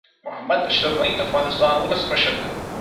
محمد اشرف غني د افغانستان ولسمشر دي.